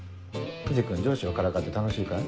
藤君上司をからかって楽しいかい？